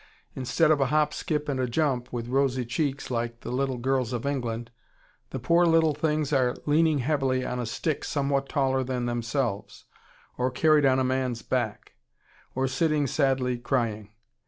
Instead of a hop, skip, and a jump, with rosy cheeks like the little girls of England, the poor little things are leaning heavily on a stick somewhat taller than themselves, or carried on a man's back, or sitting sadly crying.